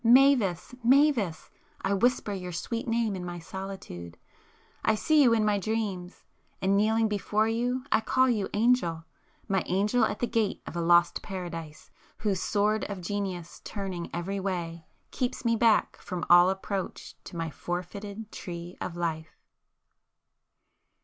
Mavis, Mavis!—I whisper your sweet name in my solitude,—I see you in my dreams, and kneeling before you I call you Angel!—my angel at the gate of a lost Paradise, whose Sword of Genius turning every way, keeps me back from all approach to my forfeited Tree of Life!